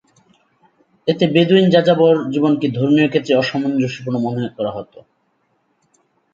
এতে বেদুইন যাযাবর জীবনকে ধর্মীয় ক্ষেত্রে অসামঞ্জস্যপূর্ণ মনে করা হত।